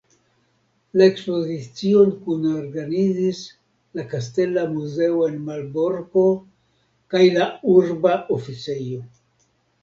La ekspozicion kunorganizis la Kastela Muzeo en Malborko kaj la Urba Oficejo.